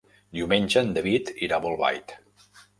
Diumenge en David irà a Bolbait.